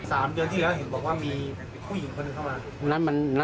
๓เดือนที่แล้วเห็นบอกว่ามีผู้หญิงคนเข้ามา